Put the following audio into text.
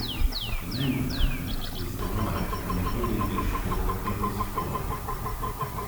The name of the hamlet is derived from the Old English for "Ibba's Hollow"